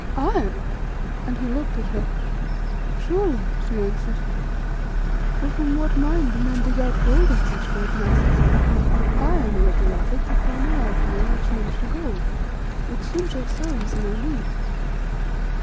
"Iron ore?" and he looked at her. "Surely," she answered, "for from what mine do men dig out gold in such great masses? Iron ore, beloved, that by my alchemy I change to gold, which soon shall serve us in our need."